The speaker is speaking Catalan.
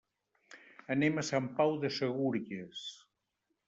Anem a Sant Pau de Segúries.